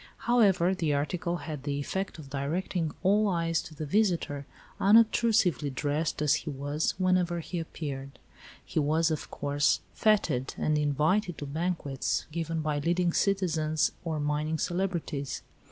However, the article had the effect of directing all eyes to the visitor, unobtrusively dressed as he was, whenever he appeared. He was, of course, fêted and invited to banquets given by leading citizens or mining celebrities.